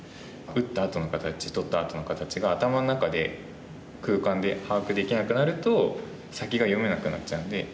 打ったあとの形取ったあとの形が頭の中で空間で把握できなくなると先が読めなくなっちゃうんで。